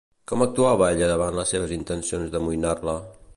Com actuava ella davant les seves intencions d'amoïnar-la?